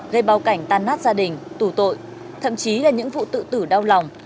gây bao cảnh tan nát gia đình tù tội thậm chí là những vụ tự tử đau lòng